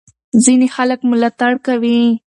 ځینې خلک ملاتړ کوي.